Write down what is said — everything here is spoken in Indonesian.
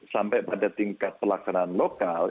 sampai pada tingkat pelaksanaan lokal